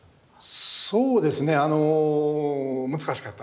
そうですねあの難しかった。